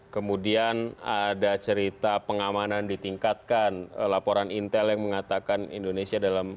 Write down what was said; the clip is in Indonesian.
kemudian ada cerita pengamanan ditingkatkan laporan intel yang mengatakan indonesia dalam